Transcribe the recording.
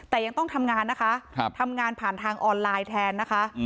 แต่ยังต้องทำงานนะคะทำงานผ่านทางออนไลน์แทนนะคะ